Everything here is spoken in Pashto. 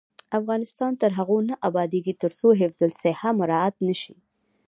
افغانستان تر هغو نه ابادیږي، ترڅو حفظ الصحه مراعت نشي.